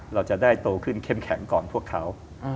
เราจะได้โตขึ้นเข้มแข็งก่อนพวกเขา